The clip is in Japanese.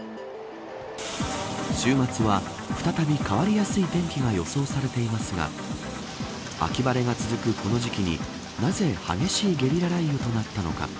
週末は再び変わりやすい天気が予想されていますが秋晴れが続くこの時期になぜ、激しいゲリラ雷雨となったのか。